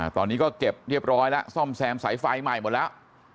ตอนนี้ก็เก็บเรียบร้อยแล้วซ่อมแซมสายไฟใหม่หมดแล้ว